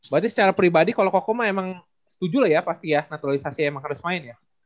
berarti secara pribadi kalo kokoma emang setuju lah ya pasti ya naturalisasi emang harus main ya